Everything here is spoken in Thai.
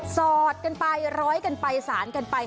สอดกันไปร้อยกันไปสารกันไป